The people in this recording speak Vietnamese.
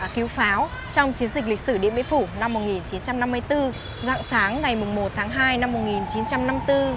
cứu pháo trong chiến dịch lịch sử điện biên phủ năm một nghìn chín trăm năm mươi bốn dạng sáng ngày một tháng hai năm một nghìn chín trăm năm mươi bốn